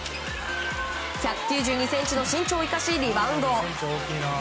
１９２ｃｍの身長を生かしリバウンド！